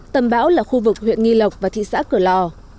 tầm bão là khu vực huyện nghi lộc và thị xã cửa lò